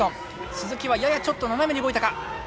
鈴木はややちょっと斜めに動いたか。